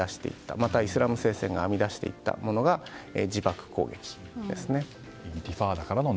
また、イスラム聖戦が編み出していったのが自爆攻撃ですね。